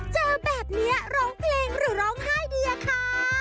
เจอแบบนี้ร้องเพลงหรือร้องไห้ดีอะคะ